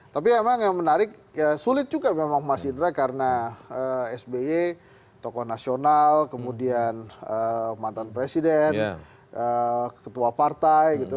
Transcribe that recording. tapi emang yang menarik sulit juga memang mas indra karena sby tokoh nasional kemudian mantan presiden ketua partai gitu